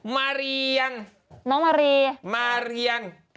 มาเรียนน้องมารีมาเรียน